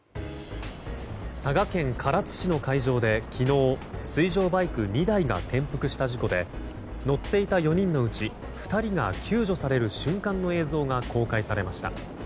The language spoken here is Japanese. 佐賀県唐津市の海上で昨日、水上バイク２台が転覆した事故で乗っていた４人のうち２人が救助される瞬間の映像が公開されました。